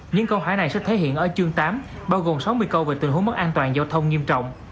những câu hỏi này sẽ thể hiện ở chương tám bao gồm sáu mươi câu về tình huống mất an toàn giao thông nghiêm trọng